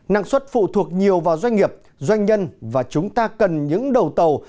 năng suất phụ thuộc nhiều vào doanh nghiệp doanh nhân và chúng ta cần những đầu tàu